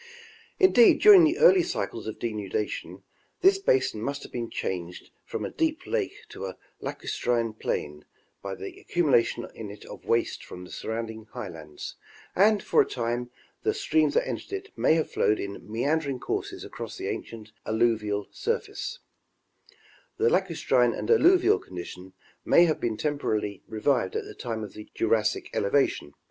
Indeed, during the early cycles of denudation, this basin must have been changed from a deep lake to a lacustrine plain by the accumulation in it of waste from the surrounding highlands, and for a time the streams that entered it may have flowed in mean dering courses across the ancient alluvial surface ; the lacustrine and alluvial condition may have been temporarily revived at the time of the Jurassic elevation.